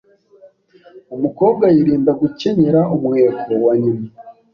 Umukobwa yirinda gukenyera umweko wa nyina